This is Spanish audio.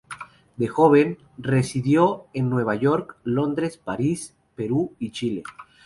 De joven, residió en Nueva York, Londres, París, Perú y Chile.